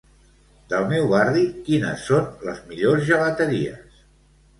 Del meu barri quines són les millors gelateries?